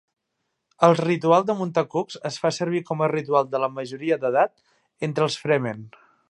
El ritual de muntar cucs es fa servir com a ritual de la majoria d'edat entre els Fremen.